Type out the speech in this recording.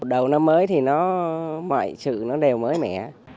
đầu năm mới thì mọi sự đều mới mẻ